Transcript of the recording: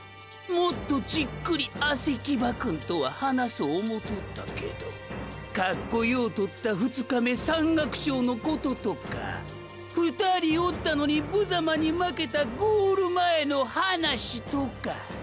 もっとじっくりアスィキバァくんとは話そ思うとったけどカッコようとった２日目山岳賞のこととかァ２人おったのにブザマに負けたゴール前の話とかァ。